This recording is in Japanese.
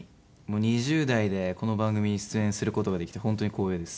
２０代でこの番組に出演する事ができて本当に光栄です。